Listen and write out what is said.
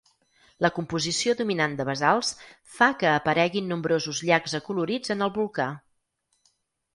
La composició dominant de basalts fa que apareguin nombrosos llacs acolorits en el volcà.